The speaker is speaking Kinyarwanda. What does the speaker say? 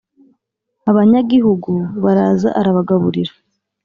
Abanyagihugu baraza arabagaburira